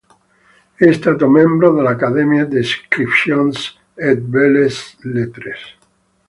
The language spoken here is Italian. È stato membro dell’"Académie des inscriptions et belles lettres".